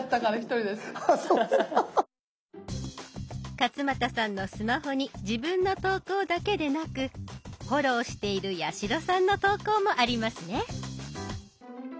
勝俣さんのスマホに自分の投稿だけでなくフォローしている八代さんの投稿もありますね。